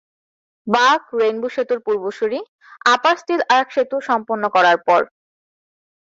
বাক, রেইনবো সেতুর পূর্বসূরী, আপার স্টিল আর্ক সেতু সম্পন্ন করার পর।